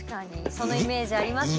そのイメージありますね。